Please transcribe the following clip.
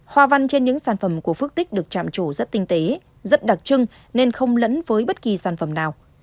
hoa văn trên những sản phẩm của phước tích được chạm trộn rất tinh tế rất đặc trưng nên không lẫn với bất kỳ sản phẩm nào